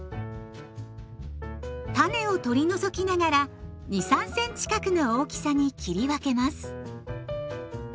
種を取り除きながら２３センチ角の大きさに切り分けます。